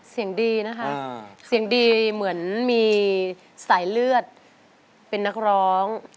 เสียงดีนะคะเสียงดีเหมือนมีสายเลือดเป็นนักร้อง